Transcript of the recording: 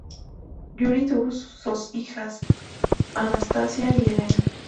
Yuri tuvo sos hijas, Anastasia y Elena.